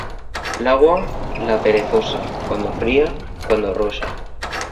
L'agua la perezosa, cuando fría, cuando roxa.